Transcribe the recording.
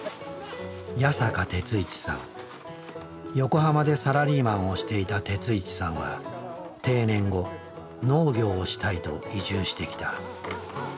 横浜でサラリーマンをしていた鉄一さんは定年後農業をしたいと移住してきた。